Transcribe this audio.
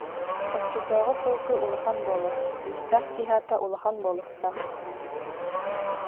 Оччотооҕу сылгы улахан буолар, күүстээх киһи ата улахан буолуохтаах